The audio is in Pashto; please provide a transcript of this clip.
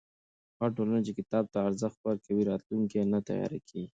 هغه ټولنه چې کتاب ته ارزښت ورکوي، راتلونکی یې نه تیاره کېږي.